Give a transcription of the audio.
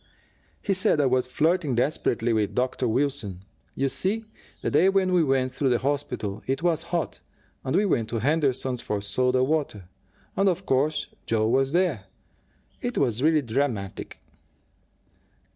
"He said I was flirting desperately with Dr. Wilson. You see, the day we went through the hospital, it was hot, and we went to Henderson's for soda water. And, of course, Joe was there. It was really dramatic."